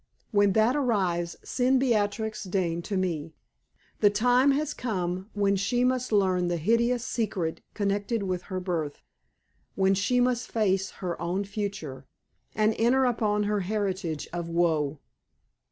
When that arrives, send Beatrix Dane to me. The time has come when she must learn the hideous secret connected with her birth when she must face her own future, and enter upon her heritage of woe.